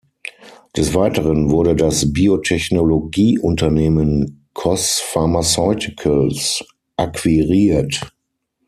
Des Weiteren wurde das Biotechnologieunternehmen Kos Pharmaceuticals akquiriert.